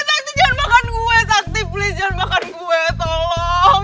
sakti jangan makan gue sakti please jangan makan gue tolong